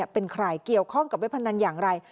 เป็นข่ายเกี่ยวข้องกับเวทธนันต์อย่างไร